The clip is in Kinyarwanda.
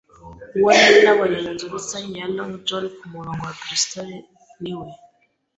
uwo nari nabonye munzu rusange ya Long John kumurongo wa Bristol. “Ni we